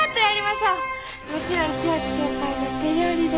もちろん千秋先輩の手料理で。